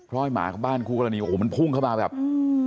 ล้อยหมาบ้านครูกรณีดูมันพุ่งเข้ามาแบบอืม